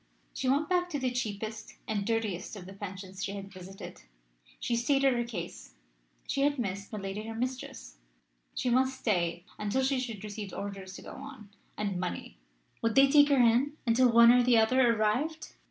She went back to the cheapest (and dirtiest) of the pensions she had visited. She stated her case she had missed milady her mistress she must stay until she should receive orders to go on, and money would they take her in until one or the other arrived?